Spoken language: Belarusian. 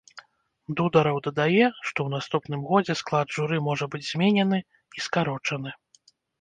Дудараў дадае, што ў наступным годзе склад журы можа быць зменены і скарочаны.